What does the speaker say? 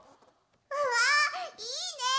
うわあいいね！